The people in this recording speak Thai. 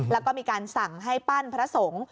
แล้วก็มีการสั่งให้ปั้นพระสงฆ์